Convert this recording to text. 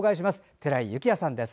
寺井幸也さんです。